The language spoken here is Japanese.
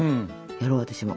やろう私も。